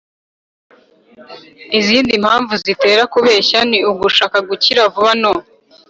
b Izindi mpamvu zitera kubeshya ni ugushaka gukira vuba no